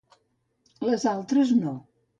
Les altres no.